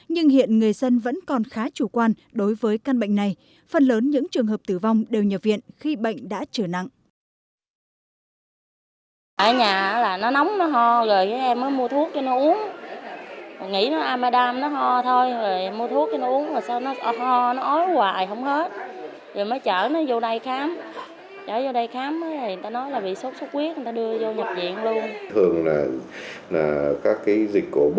nhưng hiện người dân vẫn còn khá chủ quan đối với căn bệnh này phần lớn những trường hợp tử vong đều nhập viện khi bệnh đã trở nặng